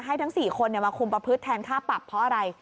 ให้ทั้งสี่คนเนี่ยมาคุมประพฤทธิ์แทนค่าปรับเพราะอะไร